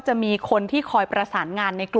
อ๋อเจ้าสีสุข่าวของสิ้นพอได้ด้วย